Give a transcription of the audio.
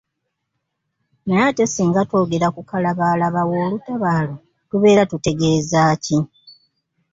Naye ate singa twogera ku kalabaalaba w'olutabaalo tubeera tutegeeza ki?